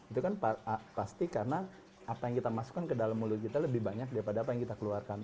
itu kan plastik karena apa yang kita masukkan ke dalam mulut kita lebih banyak daripada apa yang kita keluarkan